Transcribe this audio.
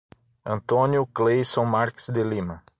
Antônio Cleilson Marques de Lima